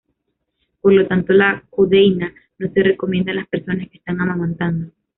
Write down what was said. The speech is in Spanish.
Por lo tanto, la codeína no se recomienda en las personas que están amamantando.